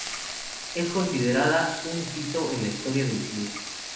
Es considerada un hito en la historia del cine.